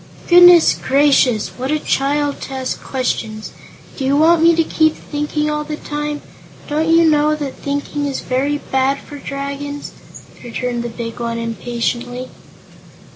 "Goodness gracious! what a child to ask questions. Do you want to keep me thinking all the time? Don't you know that thinking is very bad for Dragons?" returned the big one, impatiently.